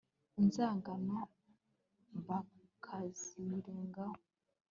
inzangano bakazirengaho